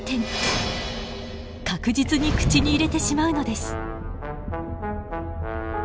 確実に口に入れてしまうのです。